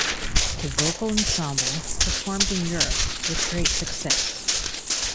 The vocal ensemble performed in Europe with great success.